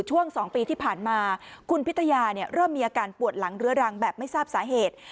ช่วง๒ปีที่ผ่านมาคุณพิทยาเริ่มมีอาการปวดหลังเรื้อรังแบบไม่ทราบสาเหตุ